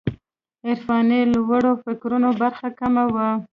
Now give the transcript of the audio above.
عرفاني لوړو فکرونو برخه کمه وه.